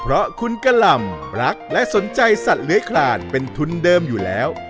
เพราะคุณกะหล่ำรักและสนใจสัตว์เลื้อยคลานเป็นทุนเดิมอยู่แล้ว